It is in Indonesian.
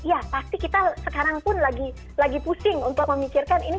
ya pasti kita sekarang pun lagi pusing untuk memikirkan ini